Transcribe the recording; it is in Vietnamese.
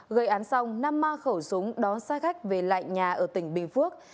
gây án xong nam ma khẩu súng đón xa khách về lại nhà ở tỉnh bình phước